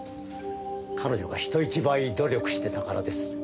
彼女が人一倍努力してたからです。